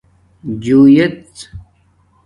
جݸݵژ